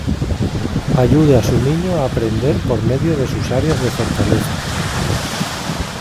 Ayude a su niño a aprender por medio de sus áreas de fortaleza.